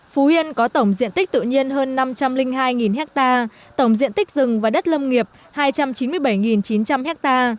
phú yên có tổng diện tích tự nhiên hơn năm trăm linh hai ha tổng diện tích rừng và đất lâm nghiệp hai trăm chín mươi bảy chín trăm linh ha